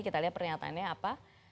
kita lihat pernyataannya apa